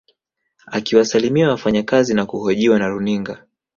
Akiwasalimia wafanyakazi na kuhojiwa na runinga